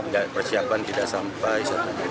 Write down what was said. dan persiapan tidak sampai